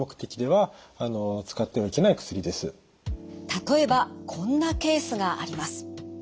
例えばこんなケースがあります。